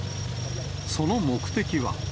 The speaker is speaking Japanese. その目的は。